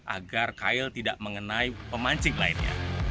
agar kail tidak mengenai pemancing lainnya